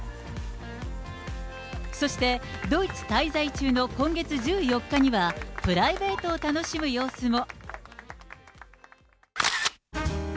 そして、ドイツ滞在中の今月１４日には、プライベートを楽しむ様子も。